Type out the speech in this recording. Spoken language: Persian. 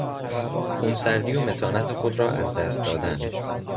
خونسردی و متانت خود را از دست دادن